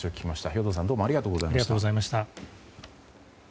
兵頭さんどうもありがとうございました。